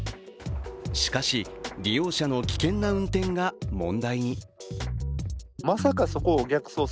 しかし、利用者の危険な運転が問題に。